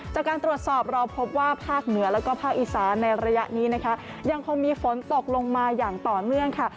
จากการตรวจสอบเราพบว่าภาคเหนือแล้วก็ภาคอีสานในระยะนี้นะคะยังคงมีฝนตกลงมาอย่างต่อเนื่องค่ะ